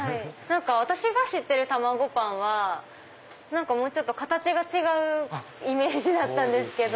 私が知ってるたまごパンはもうちょっと形が違うイメージだったんですけど。